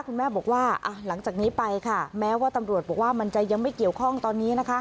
คุณแม่บอกว่าหลังจากนี้ไปค่ะแม้ว่าตำรวจบอกว่ามันจะยังไม่เกี่ยวข้องตอนนี้นะคะ